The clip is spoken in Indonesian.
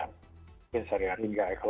mungkin sehari hari enggak